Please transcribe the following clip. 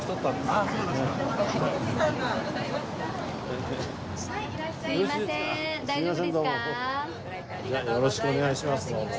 よろしくお願いしますどうも。